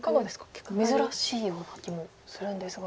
結構珍しいような気もするんですが。